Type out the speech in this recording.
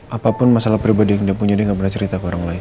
apapun masalah pribadi yang dia punya dia gak pernah cerita ke orang lain